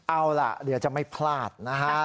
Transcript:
เอาล่ะเดี๋ยวจะไม่พลาดนะฮะ